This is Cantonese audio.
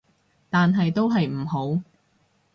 但係都係唔好